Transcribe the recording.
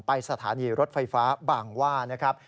สถานีรถไฟฟ้าบางว่านะครับ